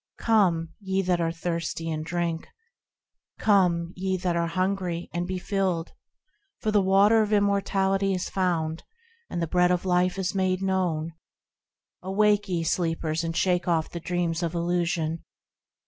Come, ye that are thirsty, and drink ; Come, ye that hunger, and be filled; For the Water of Immortality is found, And the Bread of Life is made known. Awake, ye sleepers, and shake off the dreams of illusion